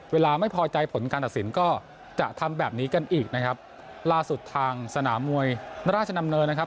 เวลาไม่พอใจผลการตัดสินก็จะทำแบบนี้กันอีกนะครับล่าสุดทางสนามมวยราชดำเนินนะครับ